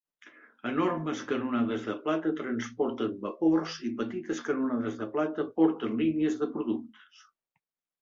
Enormes canonades de plata transporten vapor i petites canonades de plata porten línies de productes.